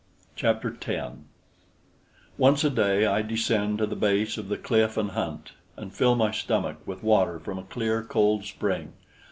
Chapter 10 Once a day I descend to the base of the cliff and hunt, and fill my stomach with water from a clear cold spring.